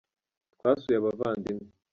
Twasuye abavandimwe